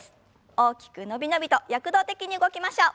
大きく伸び伸びと躍動的に動きましょう。